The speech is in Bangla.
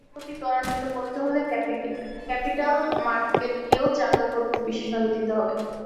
অগ্রগতি ত্বরান্বিত করতে হলে ক্যাপিটাল মার্কেটকেও চাঙা করতে বিশেষ নজর দিতে হবে।